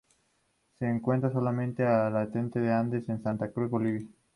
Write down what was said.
Se encuentra solamente al este de los Andes, en Santa Cruz, Bolivia.